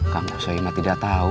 kang kusoy emang tidak tau